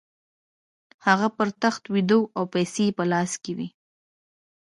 هغه پر تخت ویده او پیسې یې په لاس کې وې